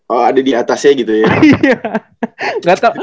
oh ada di atasnya gitu ya